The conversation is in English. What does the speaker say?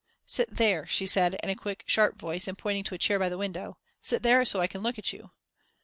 "Sit there," she said, in a quick, sharp voice, and pointing to a chair by the window, "sit there so I can look at you."